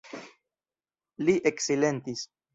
Li eksilentis.